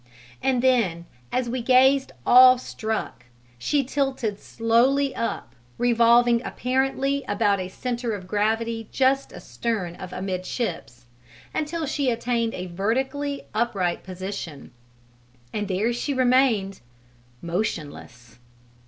And then, as we gazed awe struck, she tilted slowly up, revolving apparently about a centre of gravity just astern of amidships, until she attained a vertically upright position; and there she remained motionless!